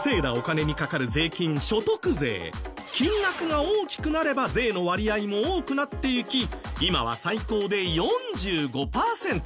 金額が大きくなれば税の割合も多くなっていき今は最高で４５パーセント。